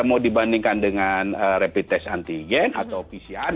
mau dibandingkan dengan rapid test antigen atau pcr